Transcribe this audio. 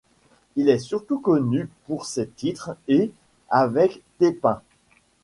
Il est surtout connu pour ses titres ' et ' avec T-Pain.